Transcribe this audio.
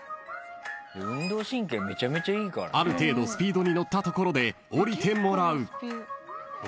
［ある程度スピードにのったところで降りてもらう］